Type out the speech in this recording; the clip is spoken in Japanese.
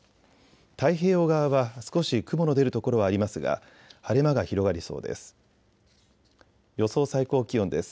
太平洋側は少し雲の出る所はありますが晴れ間が広がりそうです。